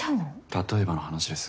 例えばの話です。